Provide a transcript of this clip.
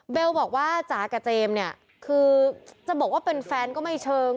บอกว่าจ๋ากับเจมส์เนี่ยคือจะบอกว่าเป็นแฟนก็ไม่เชิง